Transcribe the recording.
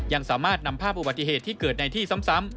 ยังสามารถนำภาพอุบัติเหตุที่เกิดในที่ซ้ำ